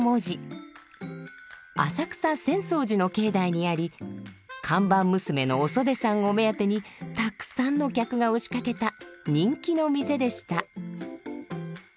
浅草浅草寺の境内にあり看板娘のおそでさんを目当てにたくさんの客が押しかけた人気の店でした。